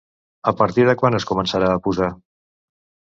A partir de quan es començarà a posar?